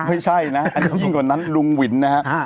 ไม่ใช่นะอันนี้ยิ่งกว่านั้นลุงหวินนะฮะ